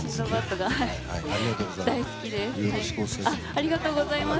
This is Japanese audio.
ありがとうございます。